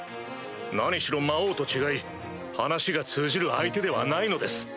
何しろ魔王と違い話が通じる相手ではないのです。